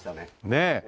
ねえ。